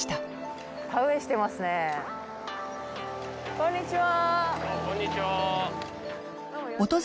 こんにちは。